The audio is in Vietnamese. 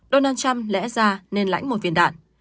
donald trump lẽ ra nên lãnh một viên đạn